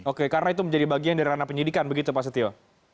oke karena itu menjadi bagian dari ranah penyidikan begitu pak setio